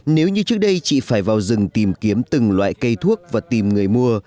nếu như trước đây chị phải vào rừng tìm kiếm từng loại cây thuốc và tìm người mua